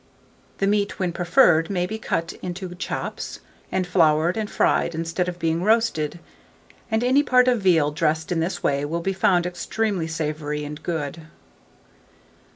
The meat, when preferred, may be cut into chops, and floured and fried instead of being roasted; and any part of veal dressed in this way will be found extremely savoury and good.